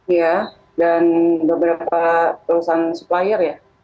iya dan beberapa perusahaan supplier ya